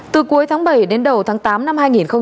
từ cuối tháng bảy đến đầu tháng tám năm hai nghìn hai mươi